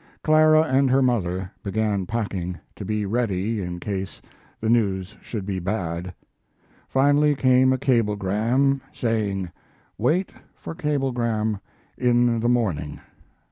Clara and her mother began packing, to be ready in case the news should be bad. Finally came a cablegram saying, "Wait for cablegram in the morning."